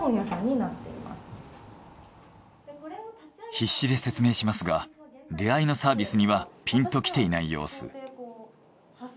必死で説明しますが出会いのサービスにはピンときていない様子。